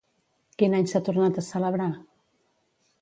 Quin any s'ha tornat a celebrar?